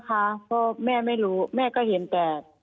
เพราะแม่ไม่รู้แม่ก็เห็นแต่